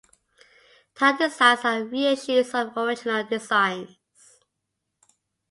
Tile designs are reissues of original designs.